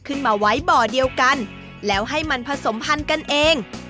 ขึ้นมาไว้บ่อเดียวกันแล้วให้มันผสมพันธุ์กันเอง